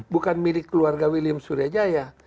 bukan milik keluarga william surya jaya